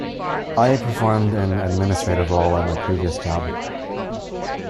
I performed an administrative role at my previous job.